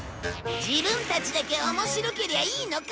自分たちだけ面白けりゃいいのか？